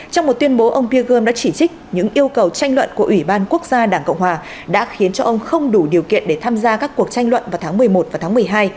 trong một tuyên bố ông peergum đã chỉ trích những yêu cầu tranh luận của ủy ban quốc gia đảng cộng hòa đã khiến ông không đủ điều kiện để tham gia các cuộc tranh luận vào tháng một mươi một và tháng một mươi hai